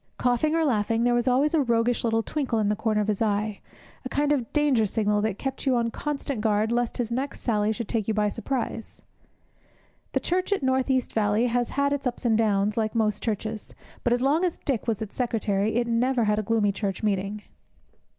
Coughing or laughing, there was always a roguish little twinkle in the corner of his eye, a kind of danger signal that kept you on constant guard lest his next sally should take you by surprise. The church at North East Valley has had its ups and downs, like most churches, but as long as Dick was its secretary it never had a gloomy church meeting.